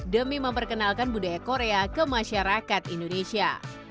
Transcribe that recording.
demi memperkenalkan budaya korea ke masyarakat indonesia